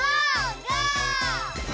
ゴー！